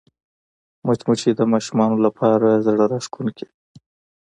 مچمچۍ د ماشومانو لپاره زړهراښکونکې ده